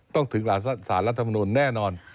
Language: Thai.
ต้องถึงหลายส่านรัฐธรรมนุนแน่นอน